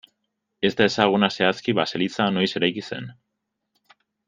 Ez da ezaguna zehazki baseliza noiz eraiki zen.